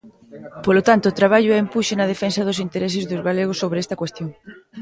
Polo tanto, traballo e empuxe na defensa dos intereses dos galegos sobre esta cuestión.